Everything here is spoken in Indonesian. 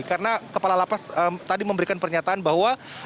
karena kepala lapas tadi memberikan pernyataan bahwa